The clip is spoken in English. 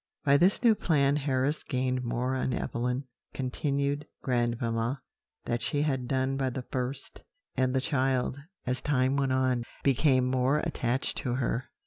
"By this new plan Harris gained more on Evelyn," continued grandmamma, "than she had done by the first, and the child, as time went on, became more attached to her.